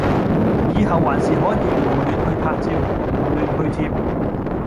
以後還是可以胡亂去拍照，胡亂去貼！